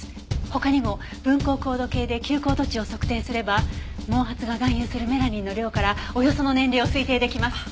他にも分光光度計で吸光度値を測定すれば毛髪が含有するメラニンの量からおよその年齢を推定出来ます。